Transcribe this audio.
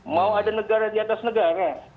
mau ada negara di atas negara